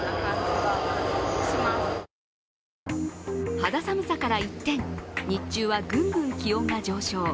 肌寒さから一転、日中はぐんぐん気温が上昇。